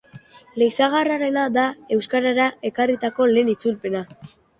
Leizarragarena da euskarara ekarritako lehen itzulpena.